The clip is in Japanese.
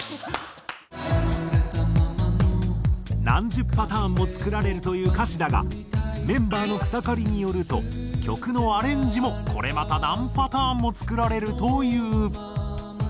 何十パターンも作られるという歌詞だがメンバーの草刈によると曲のアレンジもこれまた何パターンも作られるという。